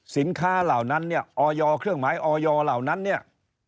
เหล่านั้นเนี่ยออยเครื่องหมายออยเหล่านั้นเนี่ย